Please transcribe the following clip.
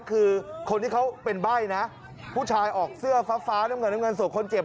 คือคนที่เขาเป็นใบ้นะผู้ชายออกเสื้อฟ้าน้ำเงินน้ำเงินส่วนคนเจ็บ